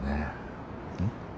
うん？